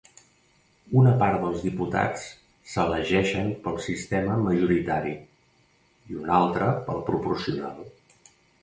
Una part dels diputats s’elegeixen pel sistema majoritari i una altra pel proporcional.